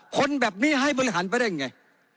คนแบบนี้ให้บริหารไปได้ยังไง